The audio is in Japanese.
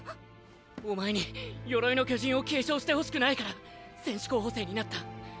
お前に「鎧の巨人」を継承してほしくないから戦士候補生になった。